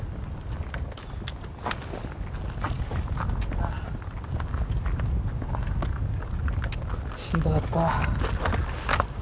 あぁ。しんどかった。